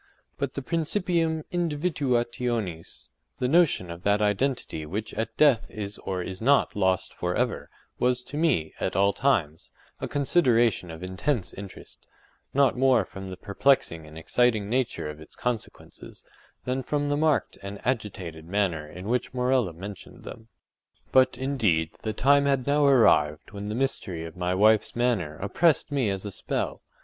But the principium indivduationis, the notion of that identity _which at death is or is not lost forever_—was to me, at all times, a consideration of intense interest; not more from the perplexing and exciting nature of its consequences, than from the marked and agitated manner in which Morella mentioned them. But, indeed, the time had now arrived when the mystery of my wife’s manner oppressed me as a spell.